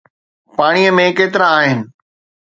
پاڻي ۾ ڪيترا آهن؟